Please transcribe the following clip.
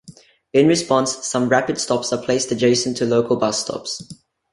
In response, some Rapid stops are placed adjacent to Local bus stops.